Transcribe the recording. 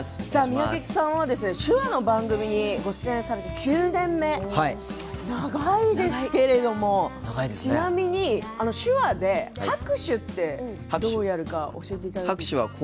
三宅さんは手話の番組にご出演されて９年目、長いですけれどもちなみに、手話で拍手って、どうやるか教えていただけますか。